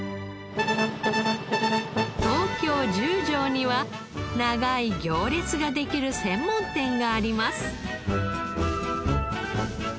東京十条には長い行列ができる専門店があります。